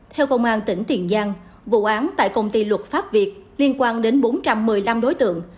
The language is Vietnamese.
theo công an tỉnh tiền giang vụ án tại công ty luật pháp việt liên quan đến bốn trăm một mươi năm đối tượng